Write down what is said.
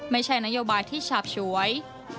ไม่ใช่นโยบายที่ฉาบฉวย